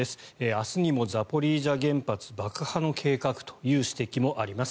明日にもザポリージャ原発爆破の計画という指摘もあります。